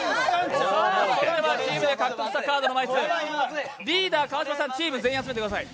それでは、チームで獲得したカードの枚数、リーダー、川島さんチーム、全員集めてください。